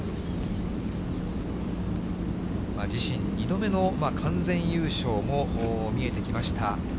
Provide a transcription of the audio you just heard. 自身、２度目の完全優勝も見えてきました。